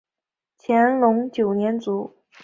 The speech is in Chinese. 乾隆九年卒。